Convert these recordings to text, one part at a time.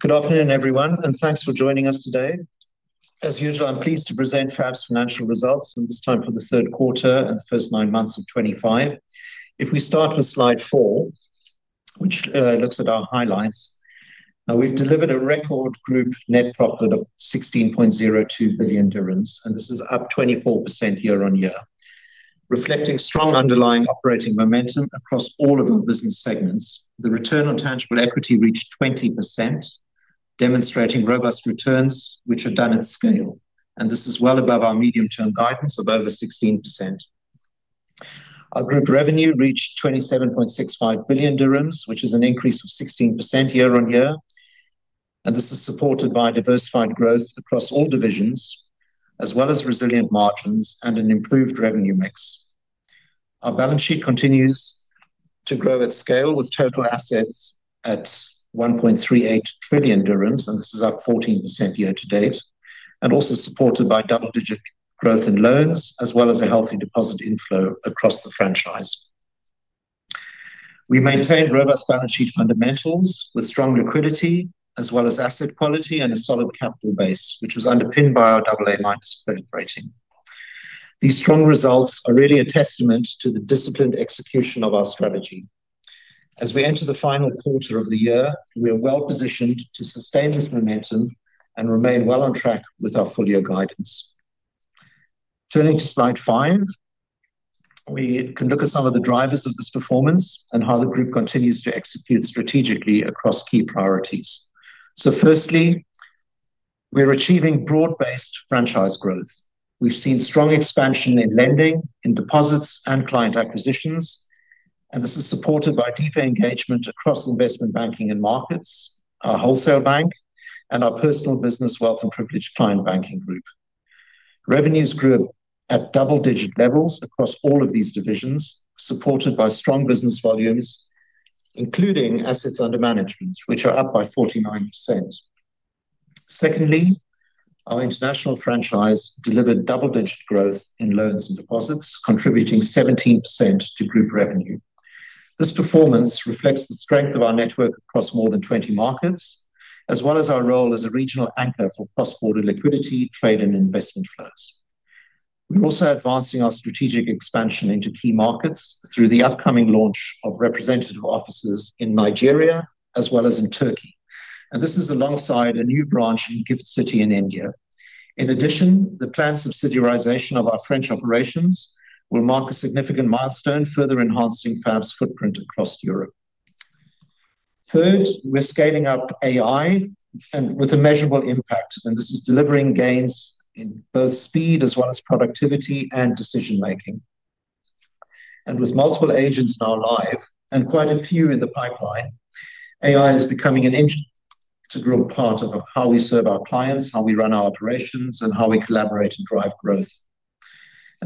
Good afternoon, everyone, and thanks for joining us today. As usual, I'm pleased to present First Abu Dhabi Bank financial results, this time for the third quarter and the first nine months of 2025. If we start with slide four, which looks at our highlights, we've delivered a record group net profit of 16.02 billion dirhams, and this is up 24% year-on-year, reflecting strong underlying operating momentum across all of our business segments. The return on tangible equity reached 20%, demonstrating robust returns which are done at scale, and this is well above our medium-term guidance of over 16%. Our group revenue reached 27.65 billion dirhams, which is an increase of 16% year-on-year, and this is supported by diversified growth across all divisions, as well as resilient margins and an improved revenue mix. Our balance sheet continues to grow at scale with total assets at 1.38 trillion dirhams, and this is up 14% year to date, also supported by double-digit growth in loans, as well as a healthy deposit inflow across the franchise. We maintained robust balance sheet fundamentals with strong liquidity, as well as asset quality and a solid capital base, which was underpinned by our AA-minus credit rating. These strong results are really a testament to the disciplined execution of our strategy. As we enter the final quarter of the year, we are well positioned to sustain this momentum and remain well on track with our full-year guidance. Turning to slide five, we can look at some of the drivers of this performance and how the group continues to execute strategically across key priorities. Firstly, we're achieving broad-based franchise growth. We've seen strong expansion in lending, in deposits, and client acquisitions, and this is supported by deeper engagement across investment banking and markets, our wholesale bank, and our personal business wealth and privilege client banking group. Revenues grew at double-digit levels across all of these divisions, supported by strong business volumes, including assets under management, which are up by 49%. Secondly, our international franchise delivered double-digit growth in loans and deposits, contributing 17% to group revenue. This performance reflects the strength of our network across more than 20 markets, as well as our role as a regional anchor for cross-border liquidity, trade, and investment flows. We're also advancing our strategic expansion into key markets through the upcoming launch of representative offices in Nigeria, as well as in Turkey. This is alongside a new branch in GIFT City in India. In addition, the planned subsidiarization of our French operations will mark a significant milestone, further enhancing FAB's footprint across Europe. Third, we're scaling up AI with a measurable impact, and this is delivering gains in both speed, as well as productivity and decision-making. With multiple agents now live and quite a few in the pipeline, AI is becoming an integral part of how we serve our clients, how we run our operations, and how we collaborate and drive growth.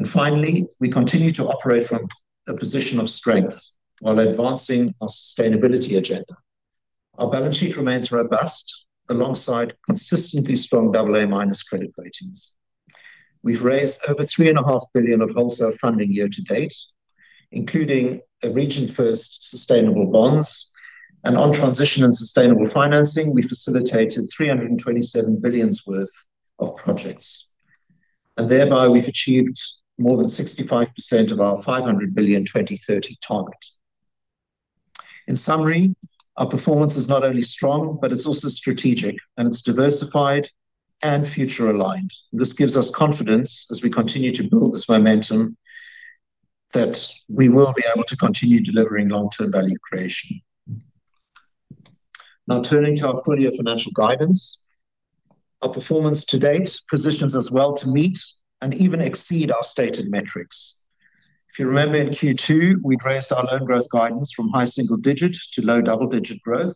Finally, we continue to operate from a position of strength while advancing our sustainability agenda. Our balance sheet remains robust alongside consistently strong AA- credit ratings. We've raised over 3.5 billion of wholesale funding year to date, including a region-first sustainable bonds, and on transition and sustainable financing, we facilitated 327 billion worth of projects, and thereby we've achieved more than 65% of our 500 billion 2030 target. In summary, our performance is not only strong, but it's also strategic, diversified, and future-aligned. This gives us confidence as we continue to build this momentum that we will be able to continue delivering long-term value creation. Now, turning to our full-year financial guidance, our performance to date positions us well to meet and even exceed our stated metrics. If you remember, in Q2, we raised our loan growth guidance from high single-digit to low double-digit growth.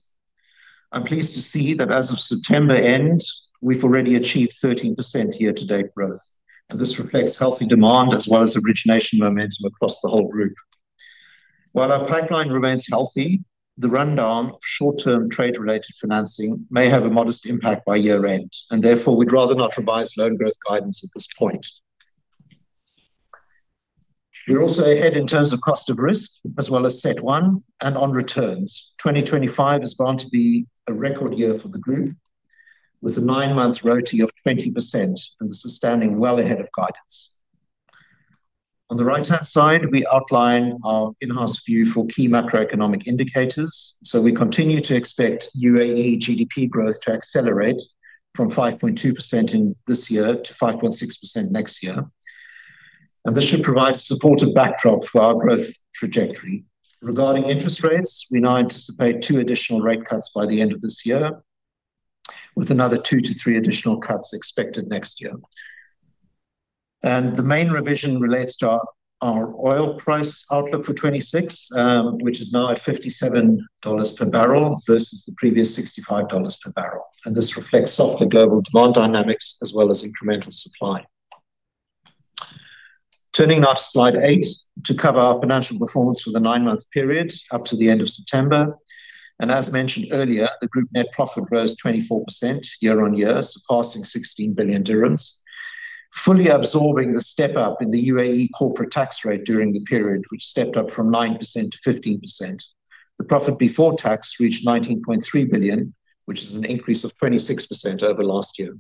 I'm pleased to see that as of September end, we've already achieved 13% year-to-date growth, and this reflects healthy demand, as well as origination momentum across the whole group. While our pipeline remains healthy, the rundown of short-term trade-related financing may have a modest impact by year-end, and therefore, we'd rather not revise loan growth guidance at this point. We're also ahead in terms of cost of risk, as well as CET1 and on returns. 2025 is bound to be a record year for the group, with a nine-month return on tangible equity of 20%, and this is standing well ahead of guidance. On the right-hand side, we outline our in-house view for key macroeconomic indicators. We continue to expect UAE GDP growth to accelerate from 5.2% in this year to 5.6% next year, and this should provide a supportive backdrop for our growth trajectory. Regarding interest rates, we now anticipate two additional rate cuts by the end of this year, with another two to three additional cuts expected next year. The main revision relates to our oil price outlook for 2026, which is now at $57 per barrel versus the previous $65 per barrel, and this reflects softer global demand dynamics, as well as incremental supply. Turning now to slide eight to cover our financial performance for the nine-month period up to the end of September, as mentioned earlier, the group net profit rose 24% year-on-year, surpassing 16 billion dirhams, fully absorbing the step up in the UAE corporate tax rate during the period, which stepped up from 9% to 15%. The profit before tax reached 19.3 billion, which is an increase of 26% over last year.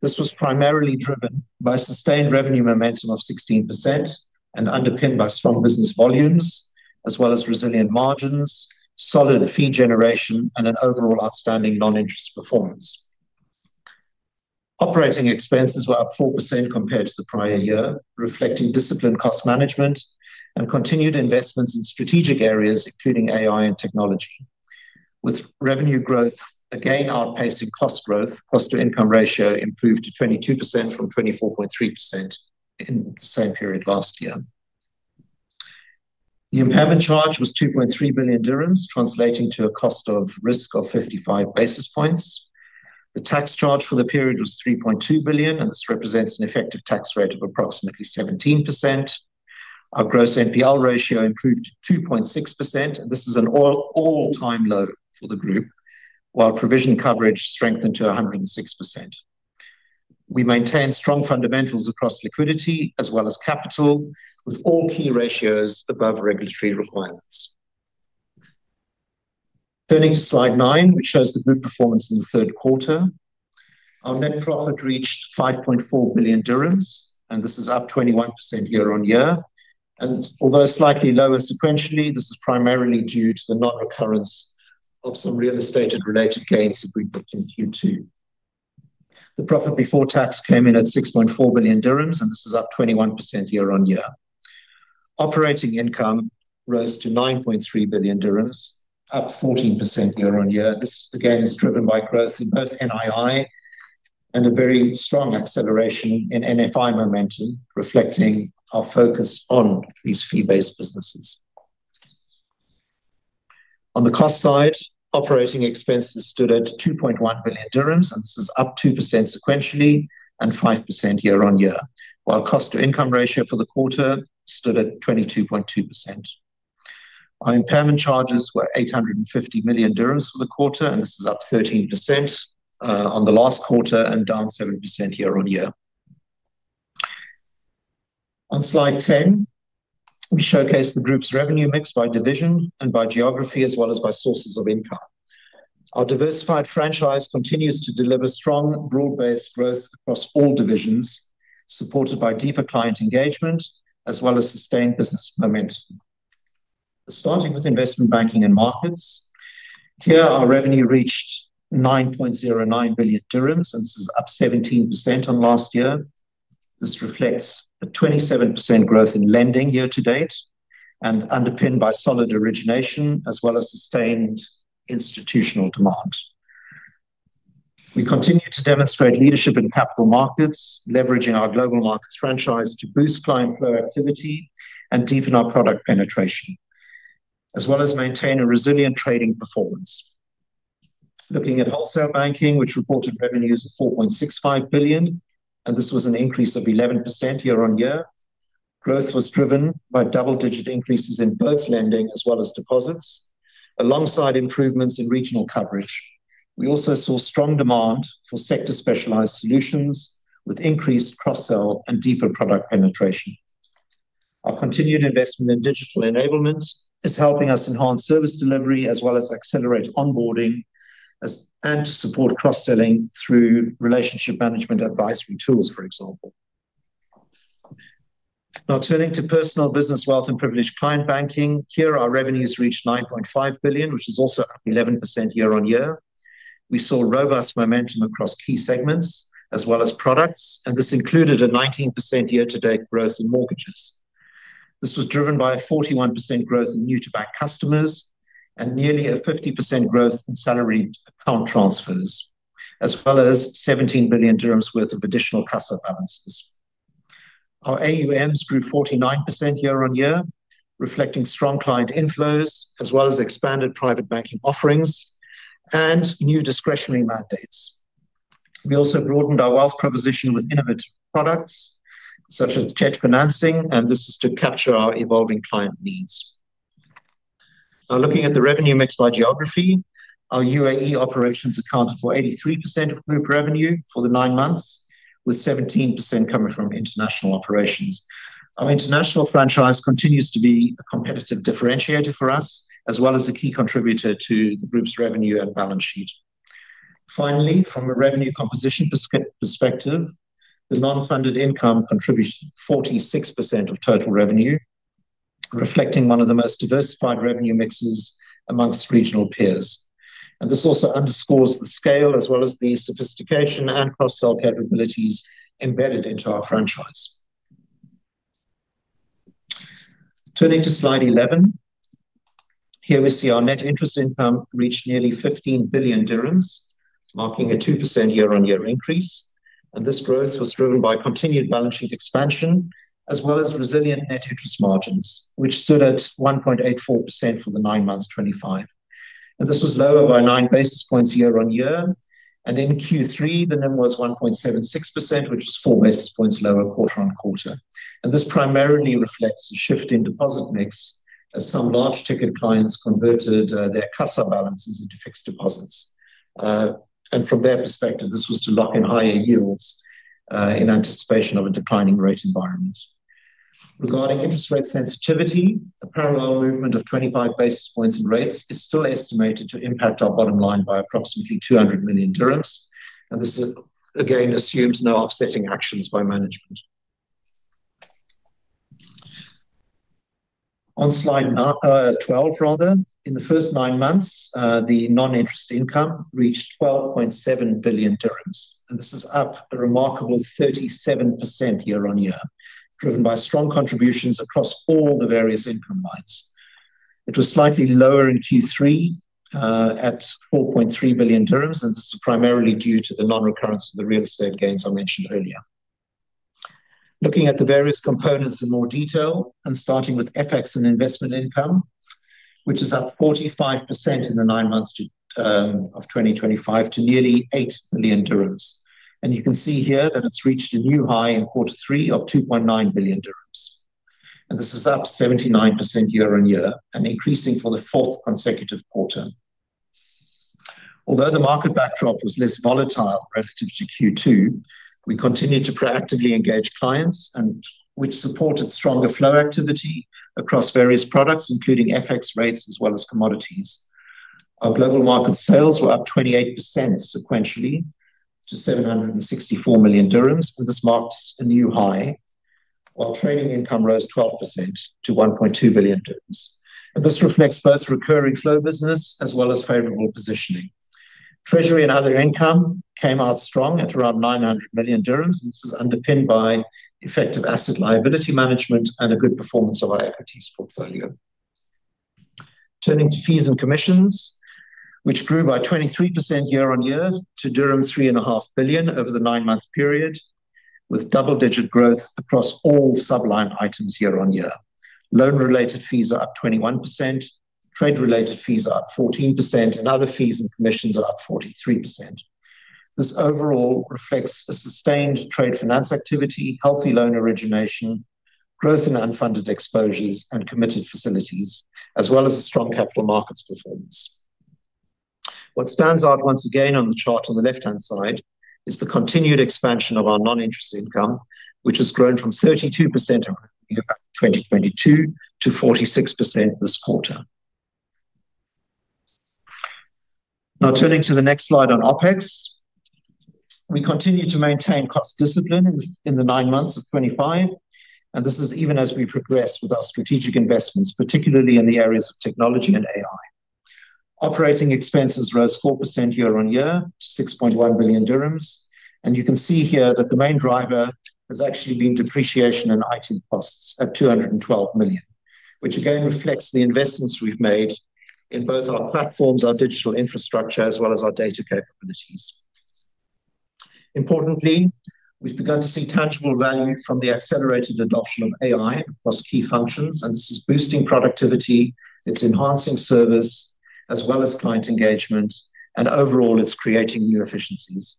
This was primarily driven by sustained revenue momentum of 16% and underpinned by strong business volumes, as well as resilient margins, solid fee generation, and an overall outstanding non-interest performance. Operating expenses were up 4% compared to the prior year, reflecting disciplined cost management and continued investments in strategic areas, including AI and technology, with revenue growth again outpacing cost growth. The cost-to-income ratio improved to 22% from 24.3% in the same period last year. The impairment charge was 2.3 billion dirhams, translating to a cost of risk of 55 basis points. The tax charge for the period was 3.2 billion, and this represents an effective tax rate of approximately 17%. Our gross NPL ratio improved to 2.6%, and this is an all-time low for the group, while provision coverage strengthened to 106%. We maintain strong fundamentals across liquidity, as well as capital, with all key ratios above regulatory requirements. Turning to slide nine, which shows the group performance in the third quarter, our net profit reached 5.4 billion dirhams, and this is up 21% year-on-year. Although slightly lower sequentially, this is primarily due to the non-recurrence of some real estate and related gains that we booked in Q2. The profit before tax came in at 6.4 billion dirhams, and this is up 21% year-on-year. Operating income rose to 9.3 billion dirhams, up 14% year-on-year. This again is driven by growth in both NII and a very strong acceleration in NFI momentum, reflecting our focus on these fee-based businesses. On the cost side, operating expenses stood at 2.1 billion dirhams, and this is up 2% sequentially and 5% year-on-year, while cost-to-income ratio for the quarter stood at 22.2%. Our impairment charges were 850 million dirhams for the quarter, and this is up 13% on the last quarter and down 7% year-on-year. On slide 10, we showcase the group's revenue mix by division and by geography, as well as by sources of income. Our diversified franchise continues to deliver strong broad-based growth across all divisions, supported by deeper client engagement, as well as sustained business momentum. Starting with investment banking and markets, here our revenue reached 9.09 billion dirhams, and this is up 17% on last year. This reflects a 27% growth in lending year to date and underpinned by solid origination, as well as sustained institutional demand. We continue to demonstrate leadership in capital markets, leveraging our global markets franchise to boost client proactivity and deepen our product penetration, as well as maintain a resilient trading performance. Looking at wholesale banking, which reported revenues of 4.65 billion, and this was an increase of 11% year-on-year. Growth was driven by double-digit increases in both lending, as well as deposits, alongside improvements in regional coverage. We also saw strong demand for sector-specialized solutions, with increased cross-sell and deeper product penetration. Our continued investment in digital enablement is helping us enhance service delivery, as well as accelerate onboarding and to support cross-selling through relationship management advisory tools, for example. Now, turning to personal business wealth and privilege client banking, here our revenues reached 9.5 billion, which is also up 11% year-on-year. We saw robust momentum across key segments, as well as products, and this included a 19% year-to-date growth in mortgages. This was driven by a 41% growth in new-to-bank customers and nearly a 50% growth in salary account transfers, as well as 17 billion dirhams worth of additional customer balances. Our assets under management grew 49% year-on-year, reflecting strong client inflows, as well as expanded private banking offerings and new discretionary mandates. We also broadened our wealth proposition with innovative products, such as check financing, and this is to capture our evolving client needs. Now, looking at the revenue mix by geography, our UAE operations account for 83% of group revenue for the nine months, with 17% coming from international operations. Our international franchise continues to be a competitive differentiator for us, as well as a key contributor to the group's revenue and balance sheet. Finally, from a revenue composition perspective, the non-funded income contributed 46% of total revenue, reflecting one of the most diversified revenue mixes amongst regional peers. This also underscores the scale, as well as the sophistication and cross-sell capabilities embedded into our franchise. Turning to slide 11, here we see our net interest income reached nearly 15 billion dirhams, marking a 2% year-on-year increase. This growth was driven by continued balance sheet expansion, as well as resilient net interest margins, which stood at 1.84% for the nine months 2025. This was lower by nine basis points year-on-year. In Q3, the NIM was 1.76%, which was four basis points lower quarter on quarter. This primarily reflects a shift in deposit mix, as some large ticket clients converted their customer balances into fixed deposits. From their perspective, this was to lock in higher yields in anticipation of a declining rate environment. Regarding interest rate sensitivity, a parallel movement of 25 basis points in rates is still estimated to impact our bottom line by approximately 200 million dirhams, and this again assumes no offsetting actions by management. On slide 12, in the first nine months, the non-interest income reached 12.7 billion dirhams, and this is up a remarkable 37% year-on-year, driven by strong contributions across all the various income lines. It was slightly lower in Q3 at 4.3 billion dirhams, and this is primarily due to the non-recurrence of the real estate gains I mentioned earlier. Looking at the various components in more detail and starting with FX and investment income, which is up 45% in the nine months of 2025 to nearly 8 billion dirhams. You can see here that it's reached a new high in quarter three of 2.9 billion dirhams, and this is up 79% year-on-year and increasing for the fourth consecutive quarter. Although the market backdrop was less volatile relative to Q2, we continue to proactively engage clients, which supported stronger flow activity across various products, including FX rates, as well as commodities. Our global market sales were up 28% sequentially to 764 million dirhams, and this marks a new high, while trading income rose 12% to 1.2 billion dirhams. This reflects both recurring flow business, as well as favorable positioning. Treasury and other income came out strong at around 900 million dirhams, and this is underpinned by effective asset liability management and a good performance of our equities portfolio. Turning to fees and commissions, which grew by 23% year-on-year to 3.5 billion over the nine-month period, with double-digit growth across all subline items year-on-year. Loan-related fees are up 21%, trade-related fees are up 14%, and other fees and commissions are up 43%. This overall reflects a sustained trade finance activity, healthy loan origination, growth in unfunded exposures, and committed facilities, as well as a strong capital markets performance. What stands out once again on the chart on the left-hand side is the continued expansion of our non-interest income, which has grown from 32% in 2022 to 46% this quarter. Now, turning to the next slide on OpEx, we continue to maintain cost discipline in the nine months of 2025, and this is even as we progress with our strategic investments, particularly in the areas of technology and AI. Operating expenses rose 4% year-on-year to 6.1 billion dirhams, and you can see here that the main driver has actually been depreciation and IT costs at 212 million, which again reflects the investments we've made in both our platforms, our digital infrastructure, as well as our data capabilities. Importantly, we've begun to see tangible value from the accelerated adoption of AI across key functions, and this is boosting productivity. It's enhancing service, as well as client engagement, and overall, it's creating new efficiencies.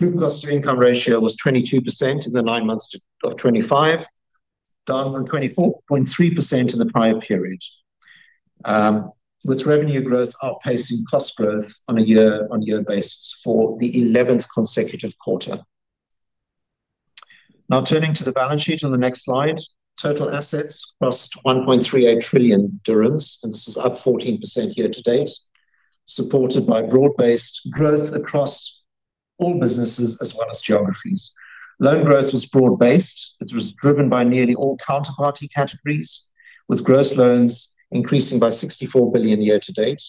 Group cost-to-income ratio was 22% in the nine months of 2025, down from 24.3% in the prior period, with revenue growth outpacing cost growth on a year-on-year basis for the 11th consecutive quarter. Now, turning to the balance sheet on the next slide, total assets crossed 1.38 trillion dirhams, and this is up 14% year to date, supported by broad-based growth across all businesses, as well as geographies. Loan growth was broad-based. It was driven by nearly all counterparty categories, with gross loans increasing by 64 billion year to date.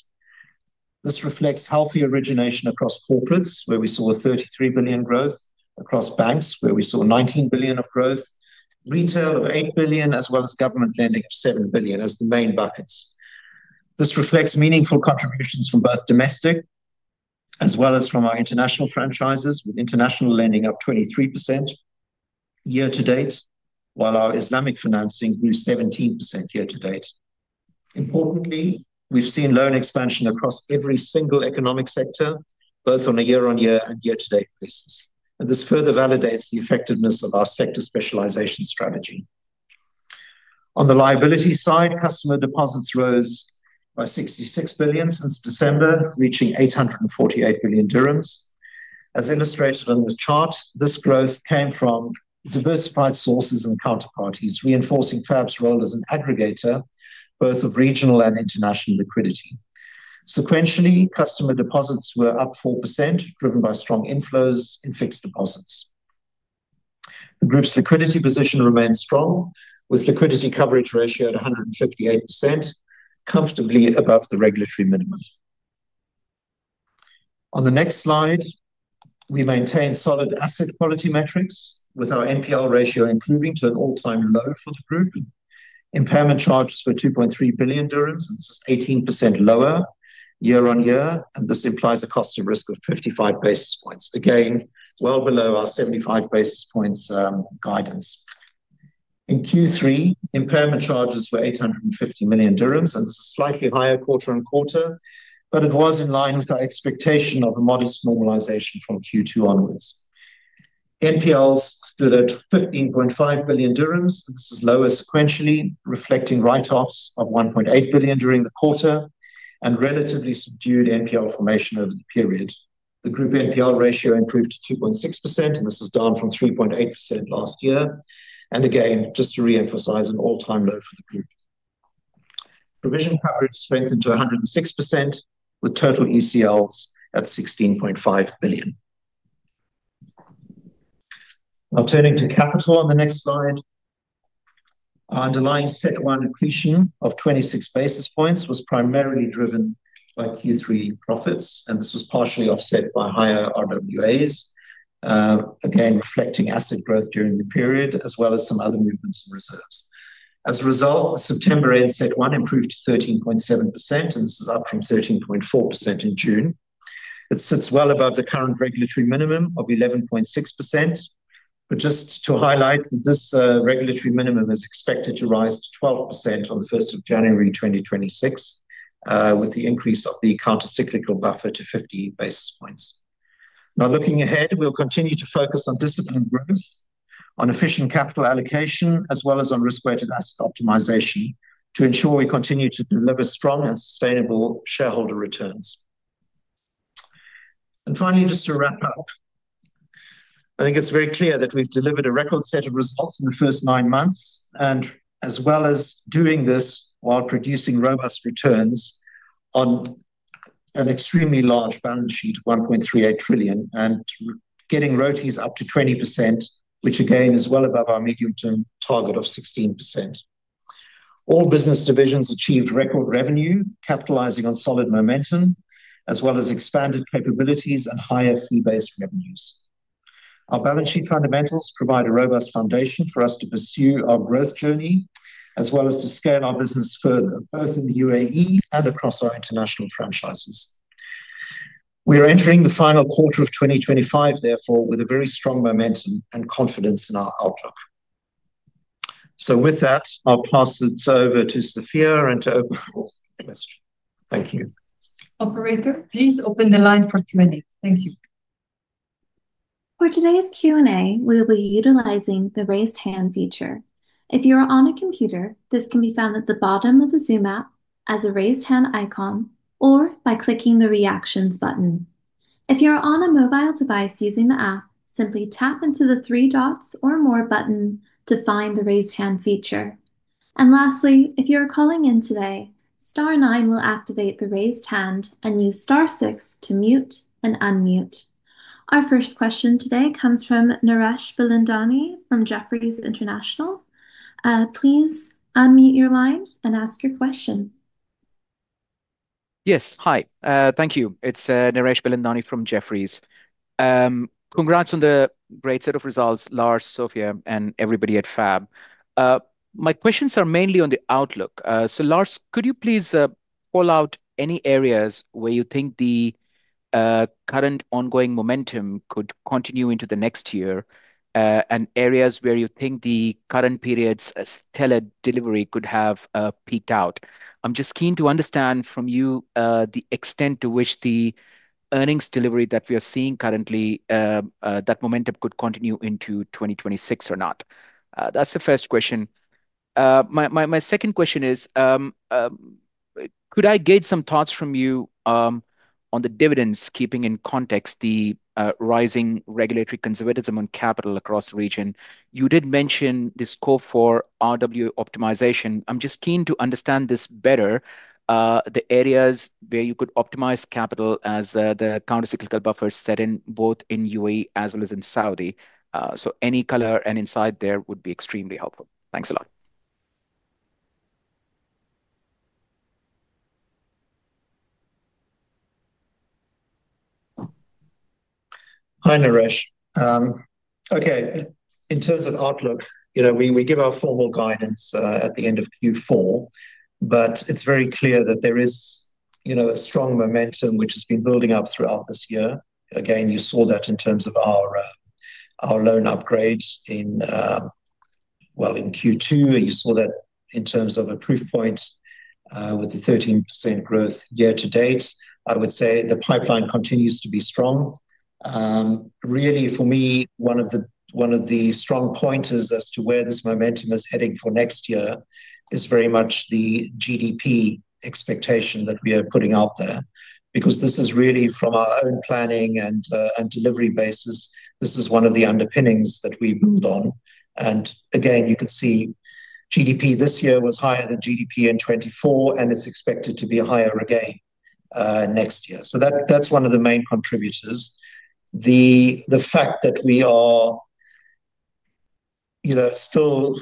This reflects healthy origination across corporates, where we saw 33 billion growth, across banks, where we saw 19 billion of growth, retail of 8 billion, as well as government lending of 7 billion as the main buckets. This reflects meaningful contributions from both domestic, as well as from our international franchises, with international lending up 23% year to date, while our Islamic financing grew 17% year to date. Importantly, we've seen loan expansion across every single economic sector, both on a year-on-year and year-to-date basis, and this further validates the effectiveness of our sector specialization strategy. On the liability side, customer deposits rose by 66 billion since December, reaching 848 billion dirhams. As illustrated on the chart, this growth came from diversified sources and counterparties, reinforcing First Abu Dhabi Bank's role as an aggregator, both of regional and international liquidity. Sequentially, customer deposits were up 4%, driven by strong inflows in fixed deposits. The group's liquidity position remains strong, with liquidity coverage ratio at 158%, comfortably above the regulatory minimum. On the next slide, we maintain solid asset quality metrics, with our NPL ratio improving to an all-time low for the group. Impairment charges were 2.3 billion dirhams, and this is 18% lower year-on-year, and this implies a cost of risk of 55 basis points, again well below our 75 basis points guidance. In Q3, impairment charges were 850 million dirhams, and this is slightly higher quarter on quarter, but it was in line with our expectation of a modest normalization from Q2 onwards. NPLs stood at 15.5 billion dirhams, and this is lower sequentially, reflecting write-offs of 1.8 billion during the quarter and relatively subdued NPL formation over the period. The group NPL ratio improved to 2.6%, and this is down from 3.8% last year, and again, just to reemphasize, an all-time low for the group. Provision coverage strengthened to 106%, with total ECLs at 16.5 billion. Now, turning to capital on the next slide, our underlying CET1 depletion of 26 basis points was primarily driven by Q3 profits, and this was partially offset by higher RWAs, again reflecting asset growth during the period, as well as some other movements in reserves. As a result, the September end CET1 improved to 13.7%, and this is up from 13.4% in June. It sits well above the current regulatory minimum of 11.6%, but just to highlight that this regulatory minimum is expected to rise to 12% on the 1st of January 2026, with the increase of the countercyclical buffer to 50 basis points. Now, looking ahead, we'll continue to focus on disciplined growth, on efficient capital allocation, as well as on risk-weighted asset optimization to ensure we continue to deliver strong and sustainable shareholder returns. Finally, just to wrap up, I think it's very clear that we've delivered a record set of results in the first nine months, as well as doing this while producing robust returns on an extremely large balance sheet of 1.38 trillion and getting royalties up to 20%, which again is well above our medium-term target of 16%. All business divisions achieved record revenue, capitalizing on solid momentum, as well as expanded capabilities and higher fee-based revenues. Our balance sheet fundamentals provide a robust foundation for us to pursue our growth journey, as well as to scale our business further, both in the UAE and across our international franchises. We are entering the final quarter of 2025 with very strong momentum and confidence in our outlook. With that, I'll pass it over to Sophia to open the question. Thank you. Operator, please open the line for Q&A. Thank you. For today's Q&A, we'll be utilizing the raised hand feature. If you're on a computer, this can be found at the bottom of the Zoom app as a raised hand icon or by clicking the reactions button. If you're on a mobile device using the app, simply tap into the three dots or more button to find the raised hand feature. If you're calling in today, star nine will activate the raised hand and use star six to mute and unmute. Our first question today comes from Naresh Bilandani from Jefferies International. Please unmute your line and ask your question. Yes, hi. Thank you. It's Naresh Belandani from Jefferies. Congrats on the great set of results, Lars, Sophia, and everybody at First Abu Dhabi Bank. My questions are mainly on the outlook. Lars, could you please pull out any areas where you think the current ongoing momentum could continue into the next year and areas where you think the current period's stellar delivery could have peaked out? I'm just keen to understand from you the extent to which the earnings delivery that we are seeing currently, that momentum could continue into 2026 or not. That's the first question. My second question is, could I get some thoughts from you on the dividends keeping in context the rising regulatory conservatism on capital across the region? You did mention the scope for RWA optimization. I'm just keen to understand this better, the areas where you could optimize capital as the countercyclical buffers set in both in UAE as well as in Saudi. Any color and insight there would be extremely helpful. Thanks a lot. Hi, Naresh. Okay, in terms of outlook, you know, we give our formal guidance at the end of Q4, but it's very clear that there is, you know, a strong momentum which has been building up throughout this year. Again, you saw that in terms of our loan upgrades in, well, in Q2, and you saw that in terms of a proof point with the 13% growth year to date. I would say the pipeline continues to be strong. Really, for me, one of the strong pointers as to where this momentum is heading for next year is very much the GDP expectation that we are putting out there, because this is really from our own planning and delivery basis. This is one of the underpinnings that we build on. You can see GDP this year was higher than GDP in 2024, and it's expected to be higher again next year. That's one of the main contributors. The fact that we are, you know, still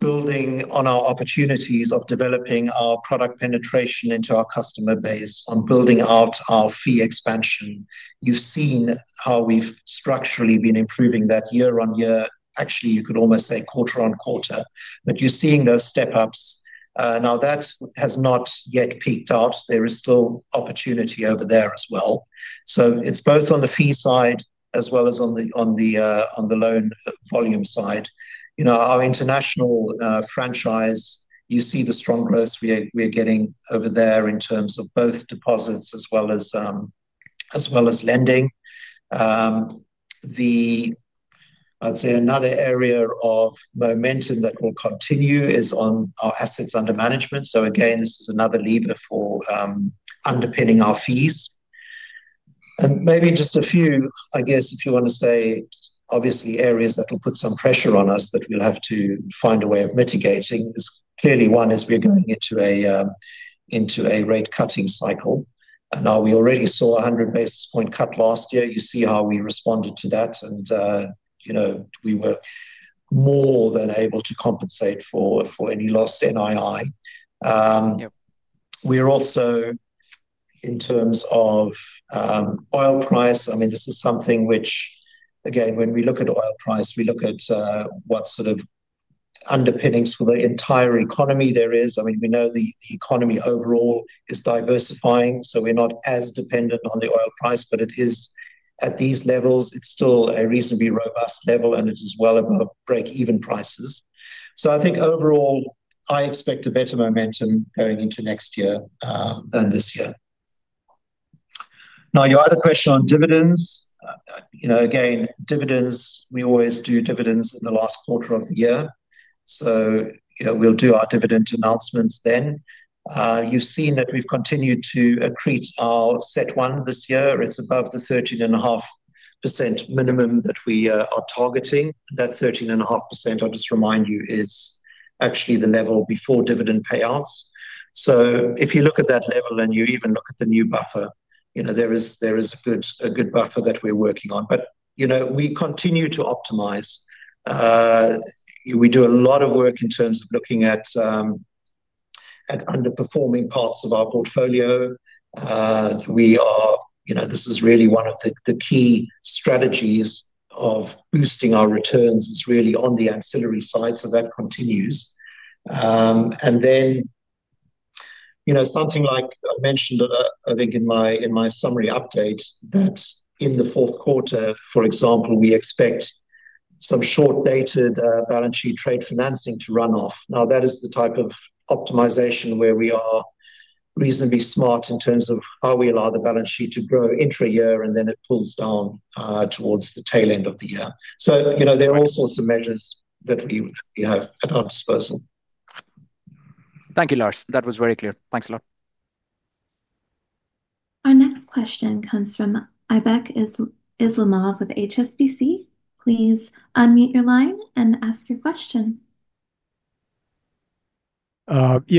building on our opportunities of developing our product penetration into our customer base, on building out our fee expansion, you've seen how we've structurally been improving that year-on-year. Actually, you could almost say quarter on quarter, but you're seeing those step ups. That has not yet peaked out. There is still opportunity over there as well. It's both on the fee side as well as on the loan volume side. You know, our international franchise, you see the strong growth we are getting over there in terms of both deposits as well as lending. I'd say another area of momentum that will continue is on our assets under management. This is another lever for underpinning our fees. Maybe just a few, I guess, if you want to say, obviously, areas that will put some pressure on us that we'll have to find a way of mitigating is clearly one is we're going into a rate cutting cycle. We already saw a 100 basis point cut last year. You see how we responded to that, and you know, we were more than able to compensate for any lost NII. We are also in terms of oil price. I mean, this is something which, again, when we look at oil price, we look at what sort of underpinnings for the entire economy there is. I mean, we know the economy overall is diversifying, so we're not as dependent on the oil price, but it is at these levels, it's still a reasonably robust level, and it is well above break-even prices. I think overall, I expect a better momentum going into next year than this year. Now, your other question on dividends, you know, again, dividends, we always do dividends in the last quarter of the year. You know, we'll do our dividend announcements then. You've seen that we've continued to accrete our CET1 this year. It's above the 13.5% minimum that we are targeting. That 13.5%, I'll just remind you, is actually the level before dividend payouts. If you look at that level and you even look at the new buffer, you know, there is a good buffer that we're working on. You know, we continue to optimize. We do a lot of work in terms of looking at underperforming parts of our portfolio. This is really one of the key strategies of boosting our returns. It's really on the ancillary side, so that continues. Then, you know, something like I mentioned, I think in my summary update that in the fourth quarter, for example, we expect some short-dated balance sheet trade financing to run off. That is the type of optimization where we are reasonably smart in terms of how we allow the balance sheet to grow intra-year, and then it pulls down towards the tail end of the year. There are all sorts of measures that we have at our disposal. Thank you, Lars. That was very clear. Thanks a lot. Our next question comes from Ibekh Islamov with HSBC. Please unmute your line and ask your question. Thank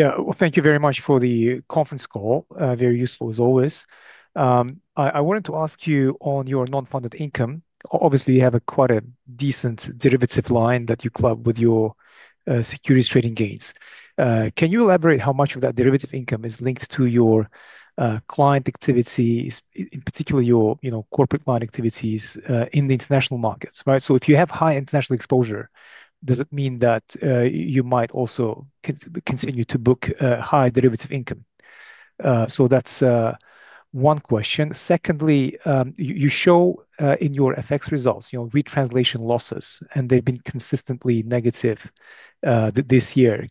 you very much for the conference call. Very useful as always. I wanted to ask you on your non-funded income. Obviously, you have quite a decent derivative line that you club with your securities trading gains. Can you elaborate how much of that derivative income is linked to your client activities, in particular your corporate client activities in the international markets? If you have high international exposure, does it mean that you might also continue to book high derivative income? That's one question. Secondly, you show in your FX results retranslation losses, and they've been consistently negative this year.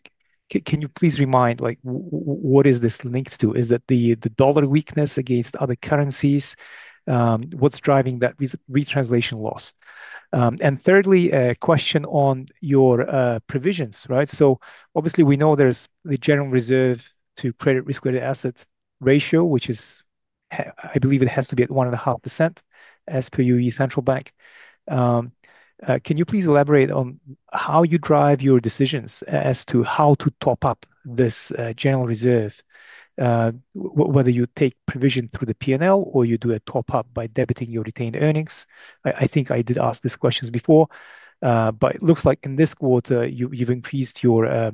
Can you please remind, what is this linked to? Is that the dollar weakness against other currencies? What's driving that retranslation loss? Thirdly, a question on your provisions. Obviously, we know there's the General Reserve to credit risk credit asset ratio, which is, I believe it has to be at 1.5% as per UAE Central Bank. Can you please elaborate on how you drive your decisions as to how to top up this General Reserve, whether you take provision through the P&L or you do a top up by debiting your retained earnings? I think I did ask this question before, but it looks like in this quarter you've increased your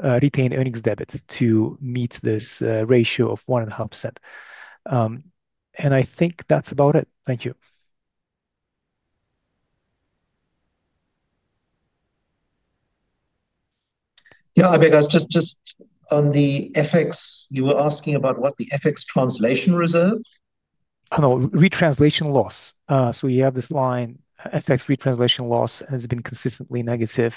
retained earnings debit to meet this ratio of 1.5%. I think that's about it. Thank you. Yeah, Ibekh, I was just on the FX. You were asking about what the FX translation reserve? Oh, no, retranslation loss. You have this line, FX retranslation loss has been consistently negative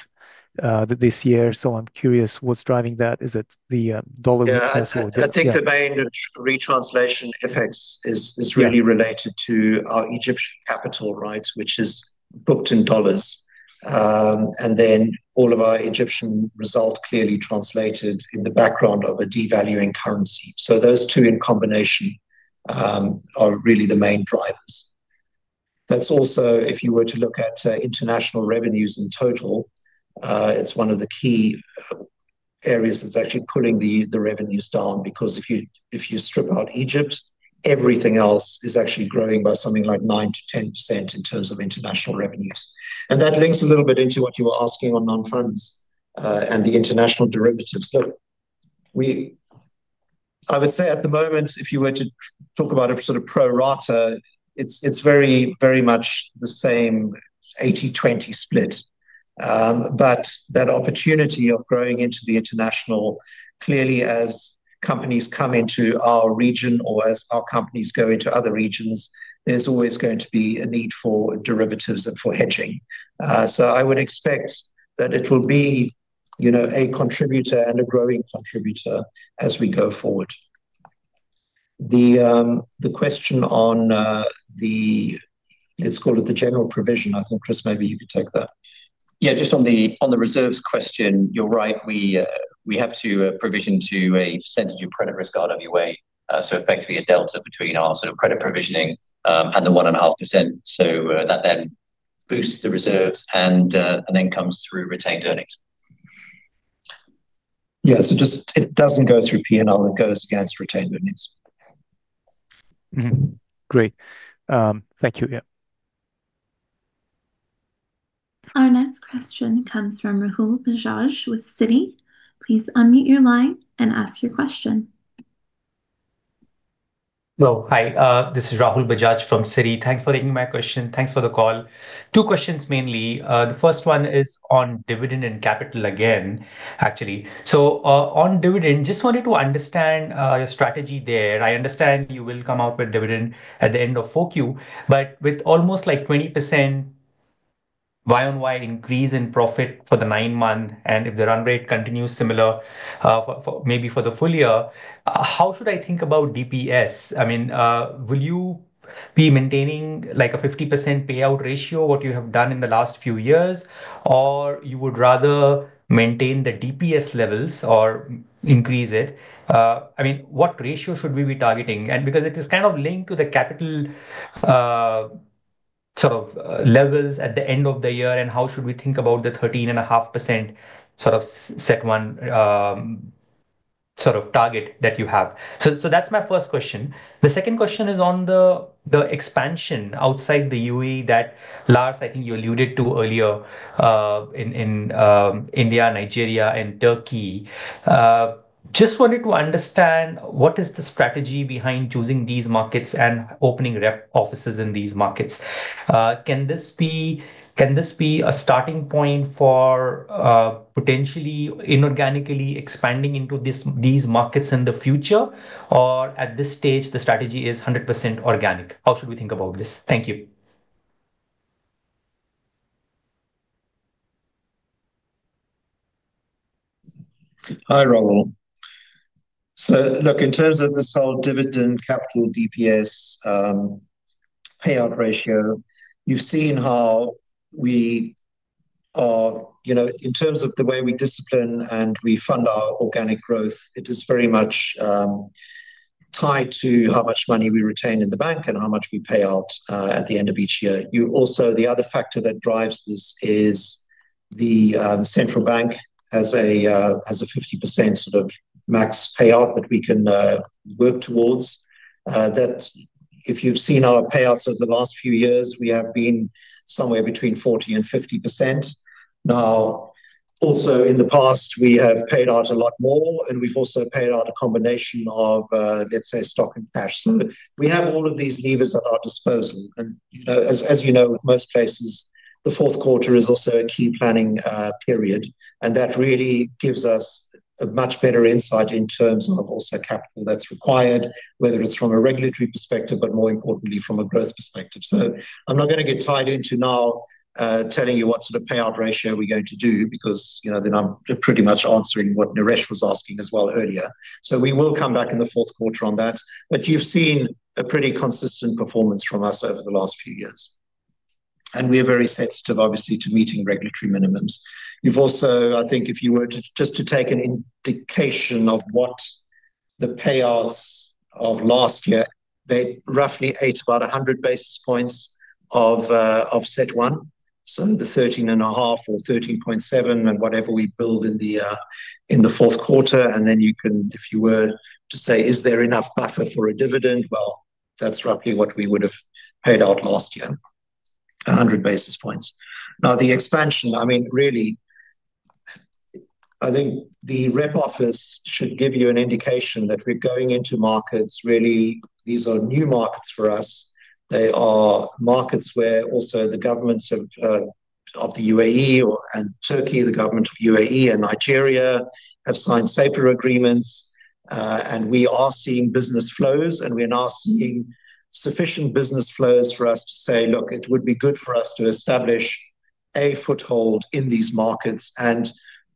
this year. I'm curious what's driving that. Is it the dollar weakness or? I think the main retranslation FX is really related to our Egyptian capital, right, which is booked in dollars. Then all of our Egyptian result clearly translated in the background of a devaluing currency. Those two in combination are really the main drivers. That's also, if you were to look at international revenues in total, it's one of the key areas that's actually pulling the revenues down because if you strip out Egypt, everything else is actually growing by something like 9 to 10% in terms of international revenues. That links a little bit into what you were asking on non-funds and the international derivatives. I would say at the moment, if you were to talk about a sort of pro rata, it's very, very much the same 80-20 split. That opportunity of growing into the international clearly as companies come into our region or as our companies go into other regions, there's always going to be a need for derivatives and for hedging. I would expect that it will be a contributor and a growing contributor as we go forward. The question on the, let's call it the general provision, I think, Chris, maybe you could take that. Yeah, just on the reserves question, you're right. We have to provision to a % of credit risk RWA, so effectively a delta between our sort of credit provisioning and the 1.5%. That then boosts the reserves and then comes through retained earnings. Yeah, it doesn't go through P&L, it goes against retained earnings. Great, thank you. Yeah. Our next question comes from Rahul Bajaj with Citi. Please unmute your line and ask your question. Hi, this is Rahul Bajaj from Citi. Thanks for taking my question. Thanks for the call. Two questions mainly. The first one is on dividend and capital again, actually. On dividend, just wanted to understand your strategy there. I understand you will come out with dividend at the end of 4Q, but with almost 20% Y on Y increase in profit for the nine months, and if the run rate continues similar, maybe for the full year, how should I think about DPS? I mean, will you be maintaining a 50% payout ratio, what you have done in the last few years, or you would rather maintain the DPS levels or increase it? What ratio should we be targeting? It is kind of linked to the capital levels at the end of the year, and how should we think about the 13.5% CET1 target that you have? That's my first question. The second question is on the expansion outside the UAE that Lars, I think you alluded to earlier in India, Nigeria, and Turkey. Just wanted to understand what is the strategy behind choosing these markets and opening rep offices in these markets? Can this be a starting point for potentially inorganically expanding into these markets in the future, or at this stage, the strategy is 100% organic? How should we think about this? Thank you. Hi, Rahul. In terms of this whole dividend capital DPS payout ratio, you've seen how we are, you know, in terms of the way we discipline and we fund our organic growth, it is very much tied to how much money we retain in the bank and how much we pay out at the end of each year. Also, the other factor that drives this is the central bank has a 50% sort of max payout that we can work towards. If you've seen our payouts over the last few years, we have been somewhere between 40% and 50%. In the past, we have paid out a lot more, and we've also paid out a combination of, let's say, stock and cash. We have all of these levers at our disposal. As you know, with most places, the fourth quarter is also a key planning period, and that really gives us a much better insight in terms of also capital that's required, whether it's from a regulatory perspective, but more importantly from a growth perspective. I'm not going to get tied into now telling you what sort of payout ratio we're going to do because, you know, then I'm pretty much answering what Naresh was asking as well earlier. We will come back in the fourth quarter on that. You've seen a pretty consistent performance from us over the last few years. We are very sensitive, obviously, to meeting regulatory minimums. I think if you were just to take an indication of what the payouts of last year, they roughly ate about 100 basis points of CET1. The 13.5 or 13.7 and whatever we build in the fourth quarter, and then you can, if you were to say, is there enough buffer for a dividend? That's roughly what we would have paid out last year, 100 basis points. The expansion, I mean, really, I think the rep office should give you an indication that we're going into markets, really, these are new markets for us. They are markets where also the governments of the UAE and Turkey, the government of UAE and Nigeria have signed safer agreements. We are seeing business flows, and we are now seeing sufficient business flows for us to say, look, it would be good for us to establish a foothold in these markets.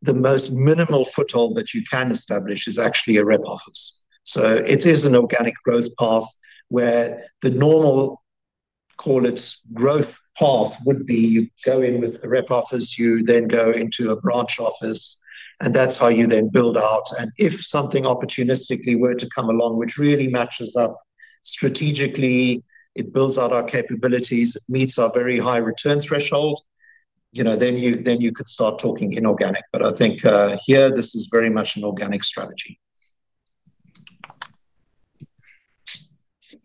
The most minimal foothold that you can establish is actually a rep office. It is an organic growth path where the normal, call it, growth path would be you go in with the rep office, you then go into a branch office, and that's how you then build out. If something opportunistically were to come along, which really matches up strategically, it builds out our capabilities, it meets our very high return threshold, you know, you could start talking inorganic. I think here this is very much an organic strategy.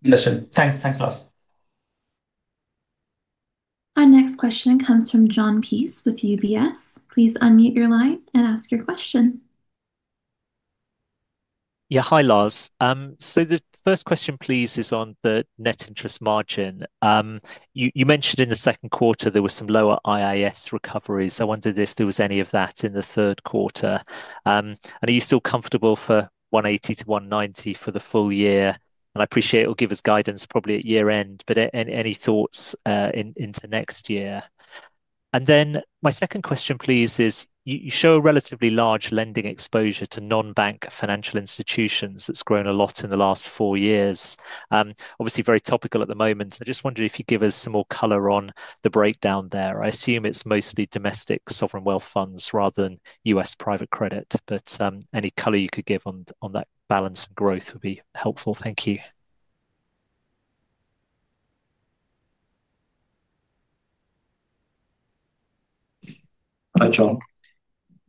Thanks, thanks Lars. Our next question comes from Jon Peace with UBS. Please unmute your line and ask your question. Hi Lars. The first question please is on the net interest margin. You mentioned in the second quarter there were some lower IIS recoveries. I wondered if there was any of that in the third quarter. Are you still comfortable for 180 to 190 for the full year? I appreciate it will give us guidance probably at year end, but any thoughts into next year? My second question please is you show a relatively large lending exposure to non-bank financial institutions that's grown a lot in the last four years. Obviously, very topical at the moment. I just wondered if you give us some more color on the breakdown there. I assume it's mostly domestic sovereign wealth funds rather than US private credit, but any color you could give on that balance and growth would be helpful. Thank you. Hi Jon.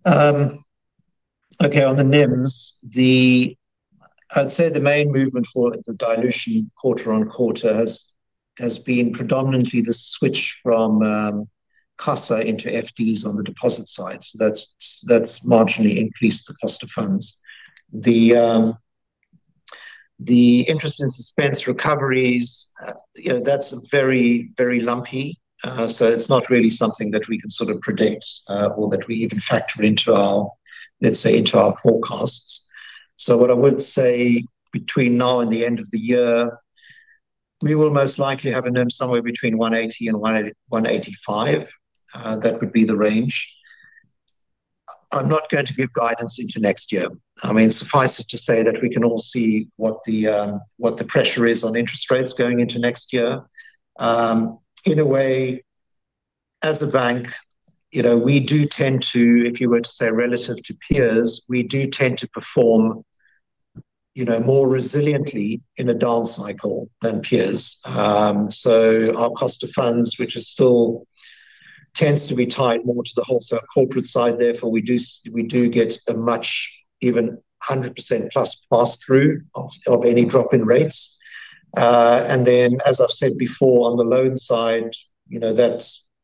Okay, on the NIMs, I'd say the main movement for the dilution quarter on quarter has been predominantly the switch from CASA into FDs on the deposit side. That's marginally increased the cost of funds. The interest in suspense recoveries, you know, that's very, very lumpy. It's not really something that we can sort of predict or that we even factor into our, let's say, into our forecasts. What I would say between now and the end of the year, we will most likely have a NIM somewhere between 180 and 185. That would be the range. I'm not going to give guidance into next year. I mean, suffice it to say that we can all see what the pressure is on interest rates going into next year. In a way, as a bank, you know, we do tend to, if you were to say relative to peers, we do tend to perform, you know, more resiliently in a down cycle than peers. Our cost of funds, which still tends to be tied more to the wholesale corporate side, therefore we do get a much even 100% plus pass-through of any drop in rates. As I've said before, on the loan side, you know,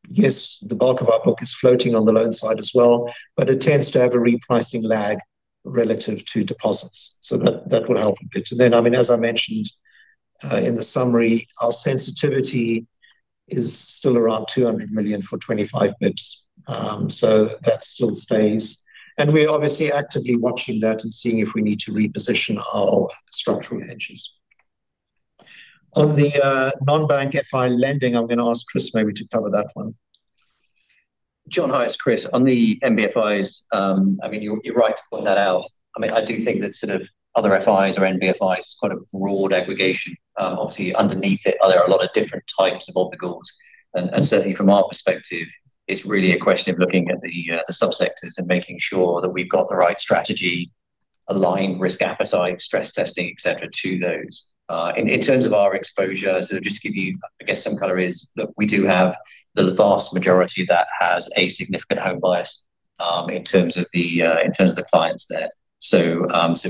yes, the bulk of our book is floating on the loan side as well, but it tends to have a repricing lag relative to deposits. That will help a bit. As I mentioned in the summary, our sensitivity is still around $200 million for 25 bps. That still stays. We're obviously actively watching that and seeing if we need to reposition our structural hedges. On the non-bank FI lending, I'm going to ask Chris maybe to cover that one. John, hi, it's Chris. On the MBFIs, you're right to point that out. I do think that sort of other FIs or MBFIs, it's quite a broad aggregation. Obviously, underneath it, there are a lot of different types of obligos. Certainly, from our perspective, it's really a question of looking at the subsectors and making sure that we've got the right strategy, aligned risk appetite, stress testing, et cetera, to those. In terms of our exposure, just to give you, I guess, some color is, look, we do have the vast majority that has a significant home bias in terms of the clients there.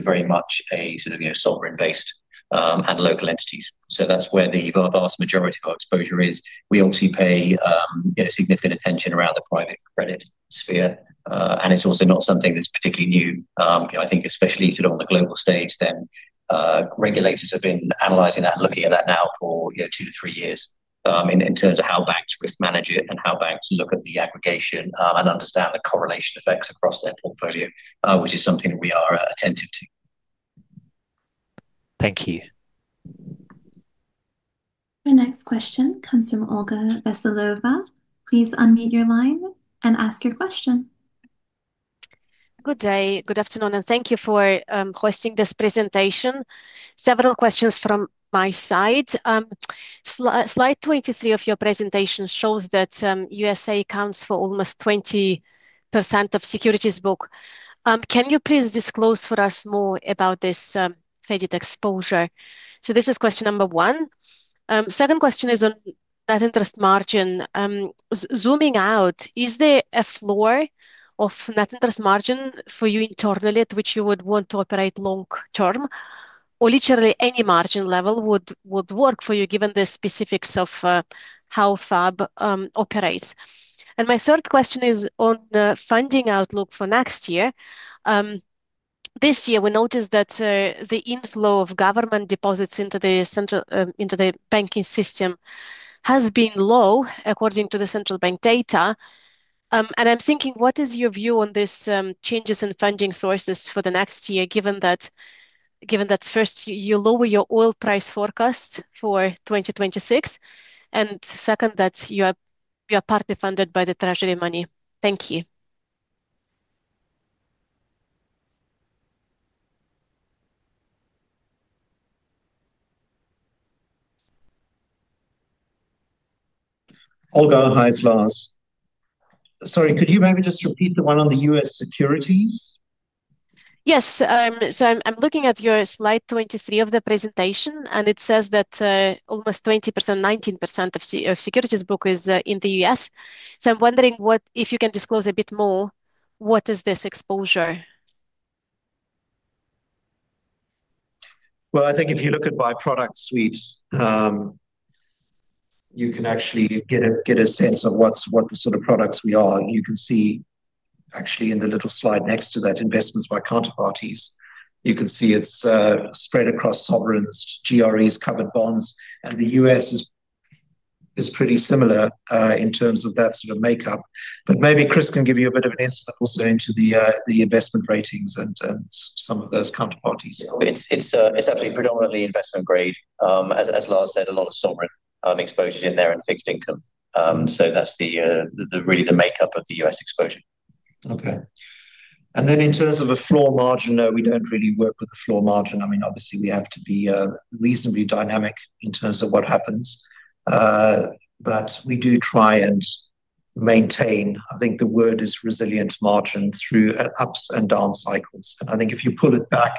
Very much a sort of sovereign-based and local entities. That's where the vast majority of our exposure is. We also pay significant attention around the private credit sphere. It's also not something that's particularly new. I think, especially on the global stage, regulators have been analyzing that and looking at that now for two to three years in terms of how banks risk manage it and how banks look at the aggregation and understand the correlation effects across their portfolio, which is something that we are attentive to. Thank you. Our next question comes from Olga Veselova. Please unmute your line and ask your question. Good day, good afternoon, and thank you for hosting this presentation. Several questions from my side. Slide 23 of your presentation shows that USA accounts for almost 20% of securities book. Can you please disclose for us more about this credit exposure? This is question number one. Second question is on net interest margin. Zooming out, is there a floor of net interest margin for you internally at which you would want to operate long-term? Or literally, any margin level would work for you given the specifics of how First Abu Dhabi Bank operates. My third question is on funding outlook for next year. This year, we noticed that the inflow of government deposits into the central banking system has been low according to the central bank data. I'm thinking, what is your view on these changes in funding sources for the next year, given that first, you lower your oil price forecast for 2026, and second, that you are partly funded by the Treasury money. Thank you. Olga, hi, it's Lars. Sorry, could you maybe just repeat the one on the U.S. securities? Yes, I'm looking at your slide 23 of the presentation, and it says that almost 20%, 19% of securities book is in the U.S. I'm wondering, if you can disclose a bit more, what is this exposure? If you look at by-product suites, you can actually get a sense of what the sort of products we are. You can see actually in the little slide next to that, investments by counterparties, you can see it's spread across sovereigns, GREs, covered bonds, and the U.S. is pretty similar in terms of that sort of makeup. Maybe Chris can give you a bit of an insight also into the investment ratings and some of those counterparties. It's actually predominantly investment grade. As Lars said, a lot of sovereign exposures in there and fixed income. That's really the makeup of the U.S. exposure. Okay. In terms of a floor margin, no, we don't really work with the floor margin. I mean, obviously, we have to be reasonably dynamic in terms of what happens. We do try and maintain, I think the word is resilient margin through ups and down cycles. I think if you pull it back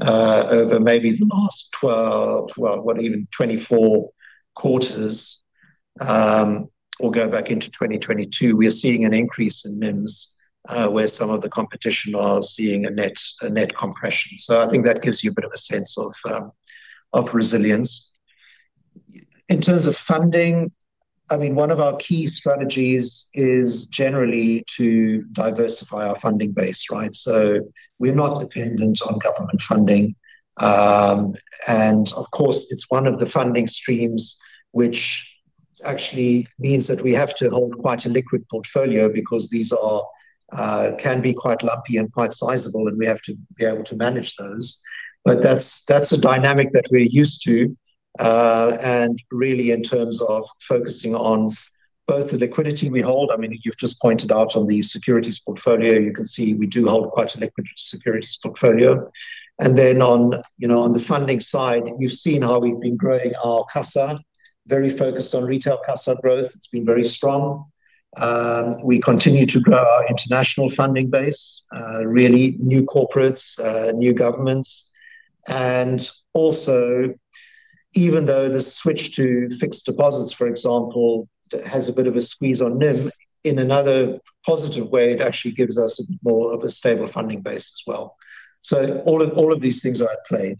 over maybe the last 12, well, what even 24 quarters or go back into 2022, we are seeing an increase in NIMs where some of the competition are seeing a net compression. I think that gives you a bit of a sense of resilience. In terms of funding, one of our key strategies is generally to diversify our funding base, right? We're not dependent on government funding. Of course, it's one of the funding streams which actually means that we have to hold quite a liquid portfolio because these can be quite lumpy and quite sizable, and we have to be able to manage those. That's a dynamic that we're used to. Really, in terms of focusing on both the liquidity we hold, you've just pointed out on the securities portfolio, you can see we do hold quite a liquid securities portfolio. On the funding side, you've seen how we've been growing our CASA, very focused on retail CASA growth. It's been very strong. We continue to grow our international funding base, really new corporates, new governments. Also, even though the switch to fixed deposits, for example, has a bit of a squeeze on NIM in another positive way, it actually gives us more of a stable funding base as well. All of these things are at play.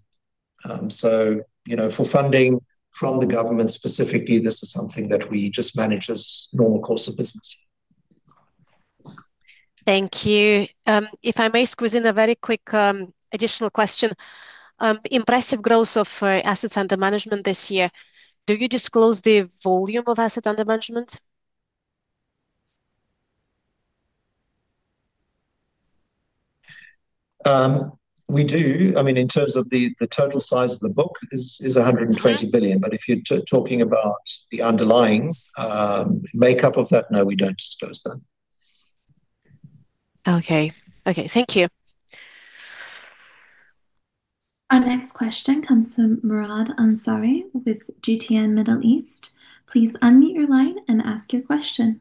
For funding from the government specifically, this is something that we just manage as a normal course of business. Thank you. If I may squeeze in a very quick additional question, impressive growth of assets under management this year. Do you disclose the volume of assets under management? We do. I mean, in terms of the total size of the book, it is 120 billion, but if you're talking about the underlying makeup of that, no, we don't disclose that. Okay, thank you. Our next question comes from Murad Ansari with GTN Middle East. Please unmute your line and ask your question.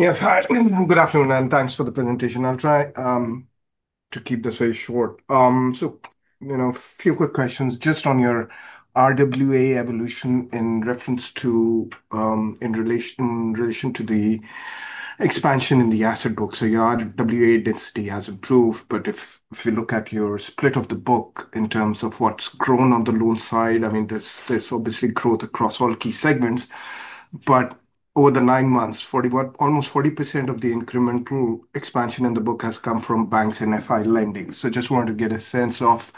Yes, hi. Good afternoon, and thanks for the presentation. I'll try to keep this very short. A few quick questions just on your RWA evolution in relation to the expansion in the asset book. Your RWA density has improved, but if you look at your split of the book in terms of what's grown on the loan side, I mean, there's obviously growth across all key segments. Over the nine months, almost 40% of the incremental expansion in the book has come from banks and FI lending. I just wanted to get a sense of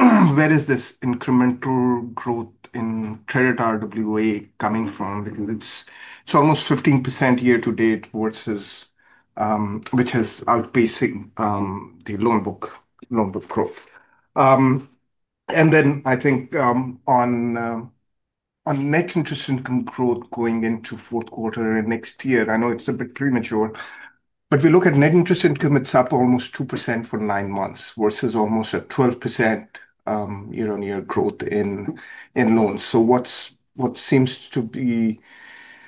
where is this incremental growth in credit RWA coming from, because it's almost 15% year to date, which is outpacing the loan book growth. I think on net interest income growth going into fourth quarter next year, I know it's a bit premature, but if we look at net interest income, it's up almost 2% for nine months versus almost a 12% year-on-year growth in loans. What seems to be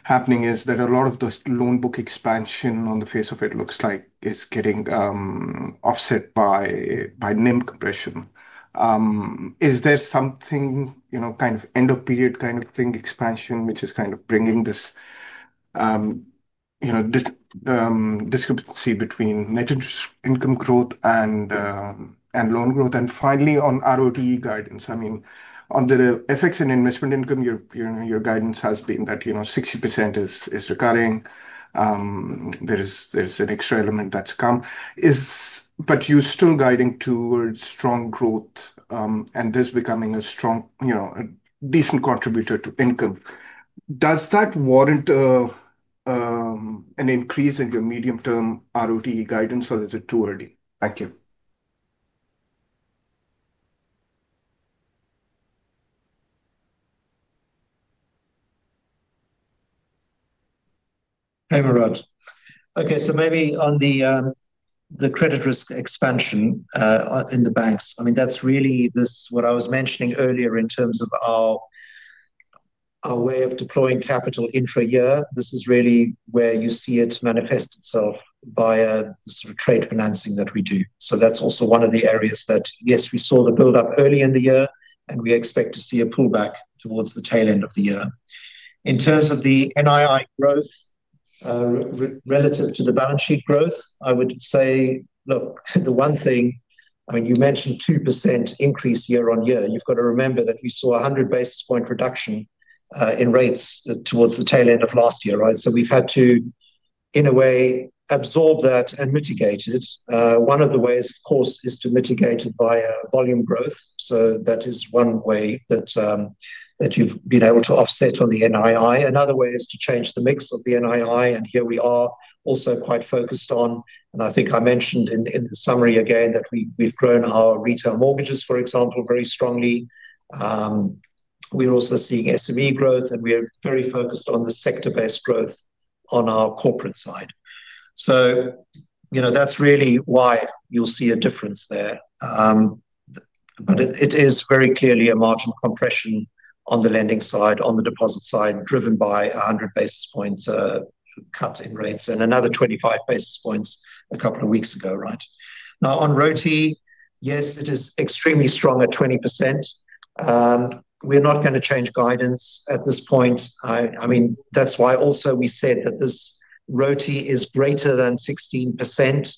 happening is that a lot of the loan book expansion on the face of it looks like is getting offset by NIM compression. Is there something, you know, kind of end-of-period kind of thing expansion, which is kind of bringing this discrepancy between net interest income growth and loan growth? Finally, on ROT guidance, on the FX and investment income, your guidance has been that 60% is recurring. There's an extra element that's come, but you're still guiding towards strong growth and this becoming a strong, decent contributor to income. Does that warrant an increase in your medium-term ROT guidance, or is it too early? Thank you. Hi, Murad. Okay, so maybe on the credit risk expansion in the banks, that's really what I was mentioning earlier in terms of our way of deploying capital intra-year. This is really where you see it manifest itself by the sort of trade financing that we do. That's also one of the areas that, yes, we saw the buildup early in the year, and we expect to see a pullback towards the tail end of the year. In terms of the NII growth relative to the balance sheet growth, I would say, look, the one thing, you mentioned 2% increase year-on-year. You've got to remember that we saw a 100 basis point reduction in rates towards the tail end of last year, right? We've had to, in a way, absorb that and mitigate it. One of the ways, of course, is to mitigate it via volume growth. That is one way that you've been able to offset on the NII. Another way is to change the mix of the NII, and here we are also quite focused on, and I think I mentioned in the summary again that we've grown our retail mortgages, for example, very strongly. We're also seeing SME growth, and we're very focused on the sector-based growth on our corporate side. That's really why you'll see a difference there. It is very clearly a margin compression on the lending side, on the deposit side, driven by a 100 basis point cut in rates and another 25 basis points a couple of weeks ago, right? Now, on ROT, yes, it is extremely strong at 20%. We're not going to change guidance at this point. That's why also we said that this ROT is greater than 16%,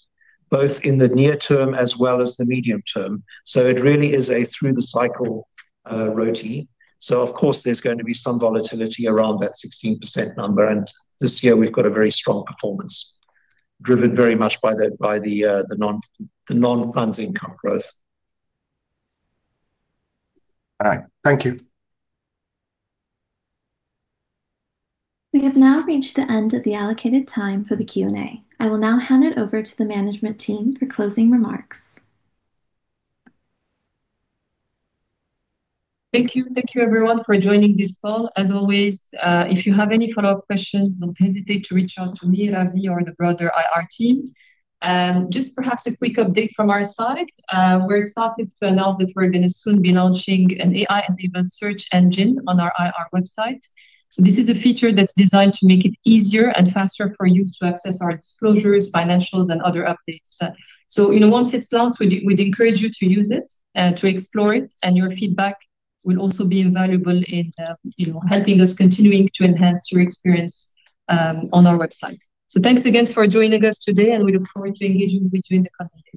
both in the near term as well as the medium term. It really is a through-the-cycle ROT. Of course, there's going to be some volatility around that 16% number, and this year we've got a very strong performance driven very much by the non-funds income growth. All right, thank you. We have now reached the end of the allocated time for the Q&A. I will now hand it over to the management team for closing remarks. Thank you. Thank you, everyone, for joining this call. As always, if you have any follow-up questions, don't hesitate to reach out to me, Ravi, or the broader IR team. Perhaps a quick update from our side. We're excited to announce that we're going to soon be launching an AI-enabled search engine on our IR website. This is a feature that's designed to make it easier and faster for you to access our disclosures, financials, and other updates. Once it's launched, we'd encourage you to use it, to explore it, and your feedback will also be invaluable in helping us continue to enhance your experience on our website. Thanks again for joining us today, and we look forward to engaging with you in the coming days.